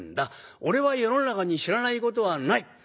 俺は世の中に知らないことはない。